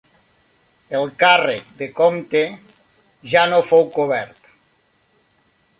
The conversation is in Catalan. El càrrec de comte ja no fou cobert.